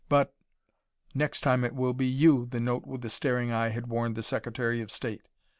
But: "... next time it will be you," the note with the staring eye had warned the Secretary of State.